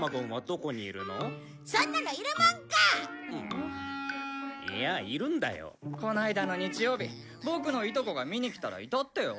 この間の日曜日ボクのいとこが見に来たらいたってよ。